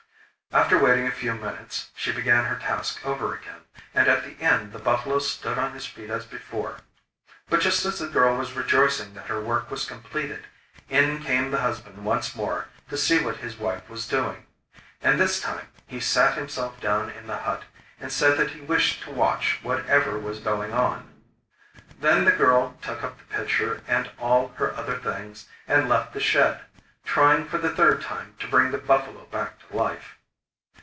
After waiting a few minutes, she began her task over again, and at the end the buffalo stood on his feet as before. But just as the girl was rejoicing that her work was completed, in came the husband once more to see what his wife was doing; and this time he sat himself down in the hut, and said that he wished to watch whatever was going on. Then the girl took up the pitcher and all her other things and left the shed, trying for the third time to bring the buffalo back to life.